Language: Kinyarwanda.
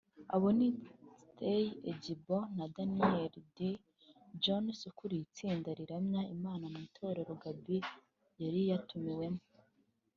Abo ni Stacy Egbo na Daniel Dee Jones ukuriye itsinda riramya Imana mu itorero Gaby yari yatumiwemo